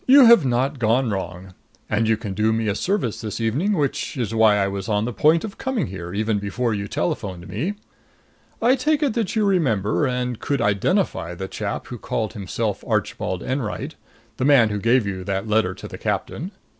"You have not gone wrong. And you can do me a service this evening, which is why I was on the point of coming here, even before you telephoned me. I take it that you remember and could identify the chap who called himself Archibald Enwright the man who gave you that letter to the captain?"